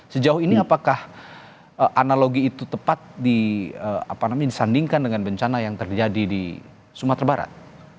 sejauh ini apakah analogi itu tepat disandingkan dengan bencana yang terjadi di sumatera barat